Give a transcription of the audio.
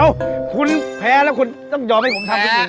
คุณแพ้แล้วคุณต้องยอมให้ผมทำทุกสิ่ง